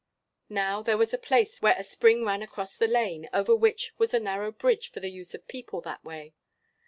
Now, there was a place where a spring ran across the lane, over which was a narrow bridge for the use of people that way.